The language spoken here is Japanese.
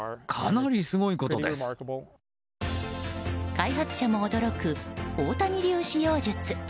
開発者も驚く大谷流使用術。